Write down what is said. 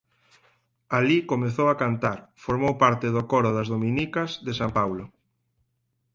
Alí comezou a cantar; formou parte do coro das Dominicas de San Paulo.